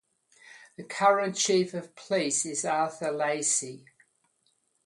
The current Chief of Police is Arthur Lacy.